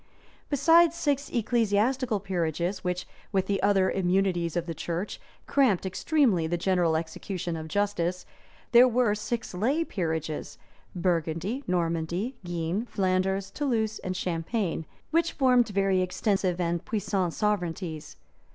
Besides six ecclesiastical peerages, which, with the other immunities of the church, cramped extremely the general execution of justice, there were six lay peerages, Burgundy, Normandy Guienne, Flanders, Toulouse, and Champagne, which formed very extensive and puissant sovereignties.